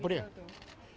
jadi kita harus mencari